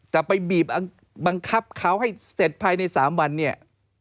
ไปบีบบังคับเขาให้เสร็จภายใน๓วันเนี่ย